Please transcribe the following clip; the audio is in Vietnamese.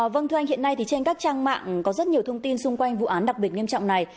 vâng thưa anh hiện nay thì trên các trang mạng có rất nhiều thông tin xung quanh vụ án đặc biệt nghiêm trọng này